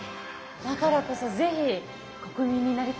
だからこそぜひ国民になりたい。